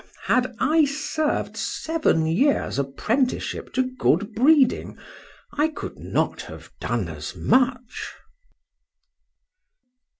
Had I served seven years apprenticeship to good breeding, I could not have done as much.